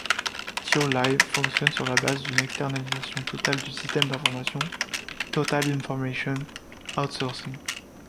TioLive fonctionne sur la base d'une externalisation totale du système d'information Total Information Outsourcing.